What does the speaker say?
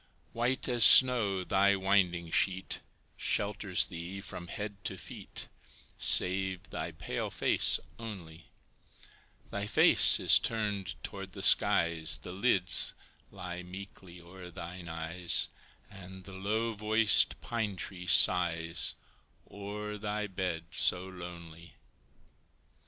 White as snow, thy winding sheet Shelters thee from head to feet, Save thy pale face only; Thy face is turned toward the skies, The lids lie meekly o'er thine eyes, And the low voiced pine tree sighs O'er thy bed so lonely.